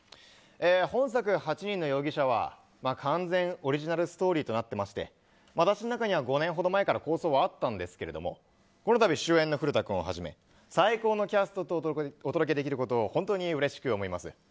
本作、「８人の容疑者」は完全オリジナルストーリーとなってまして私の中では５年ほど前から構想はあったんですけどこの度、主演のフルタ君をはじめ最高のキャストとお届けできることを本当にうれしく思います。